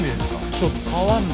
ちょっと触るな。